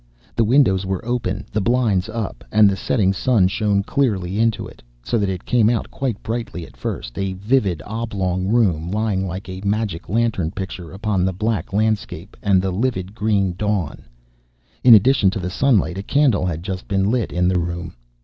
The windows were open, the blinds up, and the setting sun shone clearly into it, so that it came out quite brightly at first, a vivid oblong of room, lying like a magic lantern picture upon the black landscape and the livid green dawn. In addition to the sunlight, a candle had just been lit in the room.